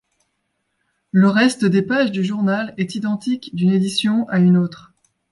Le reste des pages du journal est identique d'une édition à une autre.